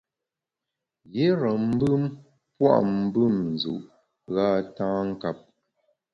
Yire mbùm pua’ mbùm nzu’ gha tâ nkap.